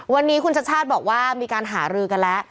วันนี้คุณชัชชาติบอกว่ามีการหารือกันแล้ว